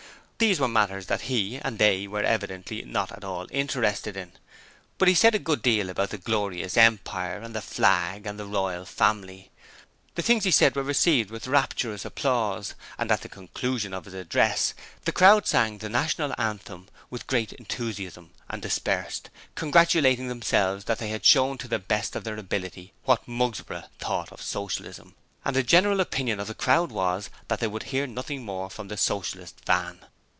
These were matters he and they were evidently not at all interested in. But he said a good deal about the Glorious Empire! and the Flag! and the Royal Family. The things he said were received with rapturous applause, and at the conclusion of his address, the crowd sang the National Anthem with great enthusiasm and dispersed, congratulating themselves that they had shown to the best of their ability what Mugsborough thought of Socialism and the general opinion of the crowd was that they would hear nothing more from the Socialist van.